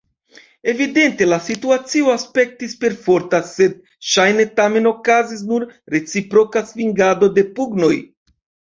Evidente la situacio aspektis perforta, sed ŝajne tamen okazis nur reciproka svingado de pugnoj.